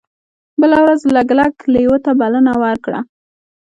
بله ورځ لګلګ لیوه ته بلنه ورکړه.